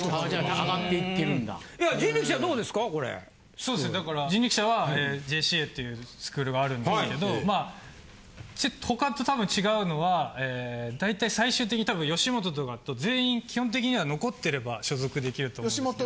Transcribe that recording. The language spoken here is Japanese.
そうですねだから人力舎はＪＣＡっていうスクールがあるんですけどまあ他とたぶん違うのはだいたい最終的にたぶん吉本とかだと全員基本的には残ってれば所属できると思うんですけど。